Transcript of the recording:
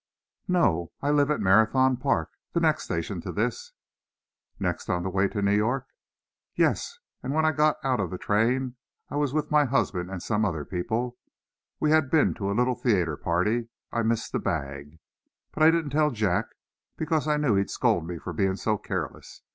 "No; I live at Marathon Park, the next station to this." "Next on the way to New York?" "Yes. And when I got out of the train I was with my husband and some other people we had been to a little theatre party I missed the bag. But I didn't tell Jack, because I knew he'd scold me for being so careless.